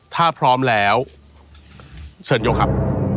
ถ้าพร้อมแล้วเชิญยกครับ